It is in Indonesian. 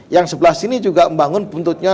yang sebelah sini juga membangun buntutnya